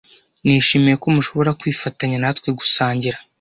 Nishimiye ko mushobora kwifatanya natwe gusangira.